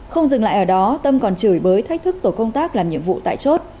không dừng lại ở đó tâm còn chửi bới thách thức tổ công tác làm nhiệm vụ tại chốt